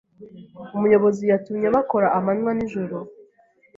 Umuyobozi yatumye bakora amanywa n'ijoro.